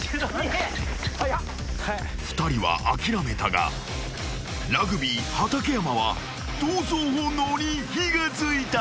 ［２人は諦めたがラグビー畠山は闘争本能に火が付いた］